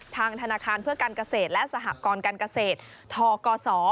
ทางธนาคารเพื่อการเกษตรและสหกรการเกษตรทกศ